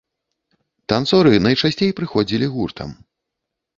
Танцоры найчасцей прыходзілі гуртам.